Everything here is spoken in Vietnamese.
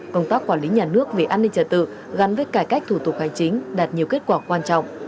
công tác quản lý nhà nước về an ninh trật tự gắn với cải cách thủ tục hành chính đạt nhiều kết quả quan trọng